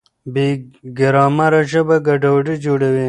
بې ګرامره ژبه ګډوډي جوړوي.